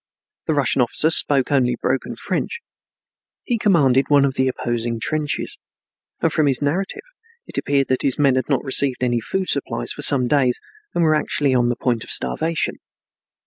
The Russian officer spoke only broken French. He commanded one of the opposing trenches, and from his narrative it appeared that his men had not received any food supplies for some days and were actually on the point of starvation.